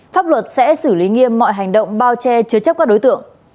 pháp luật sẽ xử lý nghiêm mọi hành động bao che chứa chấp các đối tượng